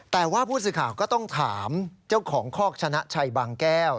แต่ว่าผู้สื่อข่าวก็ต้องถามเจ้าของคอกชนะชัยบางแก้ว